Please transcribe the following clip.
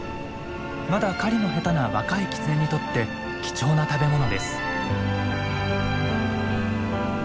まだ狩りの下手な若いキツネにとって貴重な食べ物です。